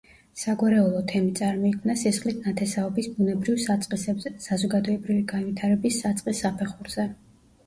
საგვარეულო თემი წარმოიქმნა სისხლით ნათესაობის ბუნებრივ საწყისებზე საზოგადოებრივი განვითარების საწყის საფეხურზე.